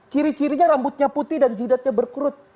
ciri cirinya rambutnya putih dan judatnya berkurut